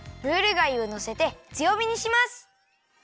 ムール貝をのせてつよびにします。